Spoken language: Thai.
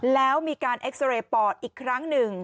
แล้วมีการเอ็กซาเรย์ปอดอีกครั้งหนึ่ง